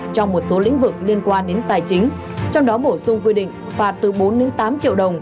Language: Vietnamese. trong một số lĩnh vực liên quan đến tài chính trong đó bổ sung quy định phạt từ bốn tám triệu đồng